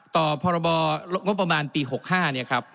ต่อพรบลกงบประมาณปีหกห้าเนี้ยครับ